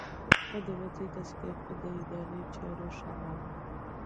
په دولتي دستګاه کې د اداري چارو ښه والی.